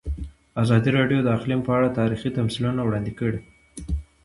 ازادي راډیو د اقلیم په اړه تاریخي تمثیلونه وړاندې کړي.